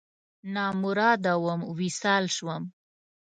نامراده وم، وصال شوم